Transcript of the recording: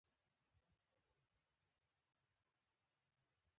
زیتون په ننګرهار کې ښه پایله ورکړې ده